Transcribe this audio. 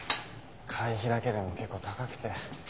会費だけでも結構高くて。